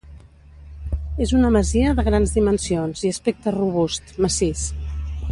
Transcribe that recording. És una masia de grans dimensions i aspecte robust, massís.